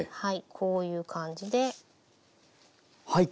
こういう感じで。